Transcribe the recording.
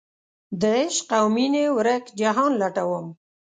دعشق اومینې ورک جهان لټوم